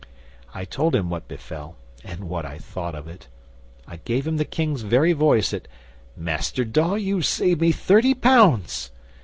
I told him what befell, and what I thought of it. I gave him the King's very voice at "Master Dawe, you've saved me thirty pounds!"